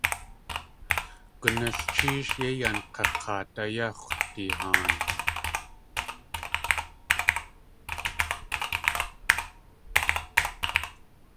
Gunalchéesh yéi yank̲ak̲aat áyá x̲wdihaan.